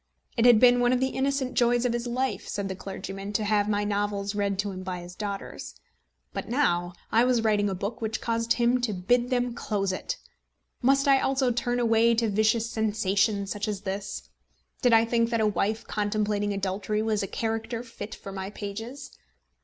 It had been one of the innocent joys of his life, said the clergyman, to have my novels read to him by his daughters. But now I was writing a book which caused him to bid them close it! Must I also turn away to vicious sensation such as this? Did I think that a wife contemplating adultery was a character fit for my pages?